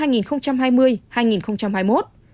các nước trên thế giới đã thông báo cho who